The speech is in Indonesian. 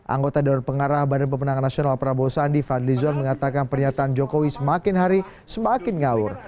anggota daerah pengarah bpn prabowo sandi fadli zon mengatakan pernyataan jokowi semakin hari semakin ngaur